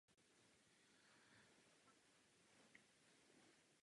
Tým je tak pátou nejúspěšnější reprezentací.